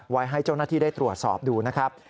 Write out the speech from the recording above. ไว้ให้เจ้าหน้าที่ได้ตรวจสอบดูนะครับ